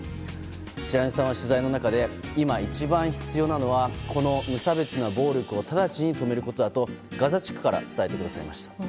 白根さんは、取材の中で今、一番必要なのはこの無差別な暴力を直ちに止めることだとガザ地区から伝えてくださいました。